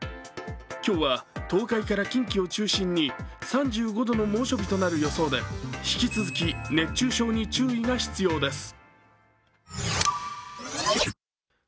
今日は東海から近畿を中心に３５度の猛暑日となる予想で引き続き熱中症に注意が必要です。